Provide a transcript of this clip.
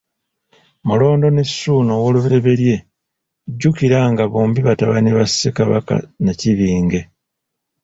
Mulondo ne Ssuuna I, jjukira nga bombi batabani ba Ssekabaka Nnakibinge.